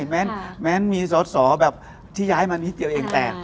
แม้มีสอสอแบบที่ย้ายมานิดเดียวเองแต่